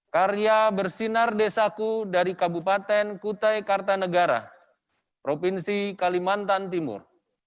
karya bersinar desaku dari kabupaten kutai kartanegara provinsi kalimantan timur